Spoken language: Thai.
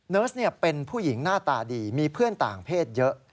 เนิร์สเป็นผู้หญิงหน้าตาดีมีเพื่อนต่างเพศเยอะ